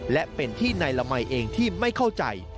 และเป็นที่นายละมัยเองที่ไม่เข้าใจ